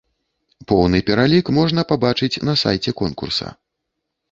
Поўны пералік можна пабачыць на сайце конкурса.